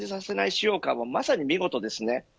使用感はまさに見事ですね。